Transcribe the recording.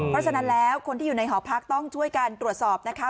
เพราะฉะนั้นแล้วคนที่อยู่ในหอพักต้องช่วยกันตรวจสอบนะคะ